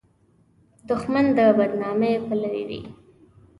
دښمن د بد نامۍ پلوی وي